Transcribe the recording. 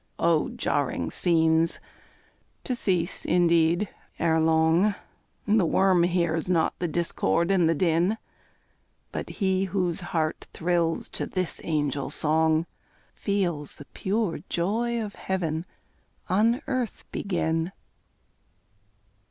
Oh, jarring scenes! to cease, indeed, ere long; The worm hears not the discord and the din; But he whose heart thrills to this angel song, Feels the pure joy of heaven on earth begin!